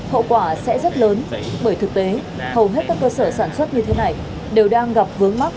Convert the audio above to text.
hậu quả sẽ rất lớn bởi thực tế hầu hết các cơ sở sản xuất như thế này đều đang gặp vướng mắc